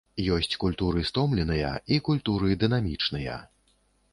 Ёсць культуры стомленыя і культуры дынамічныя.